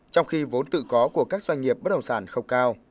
trong khi vốn tự có của các doanh nghiệp bất động sản không cao